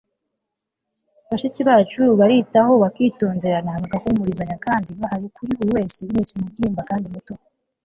bashiki bacu baritaho, bakitonderana, bagahumurizanya kandi bahari kuri buri wese binyuze mu mubyimba kandi muto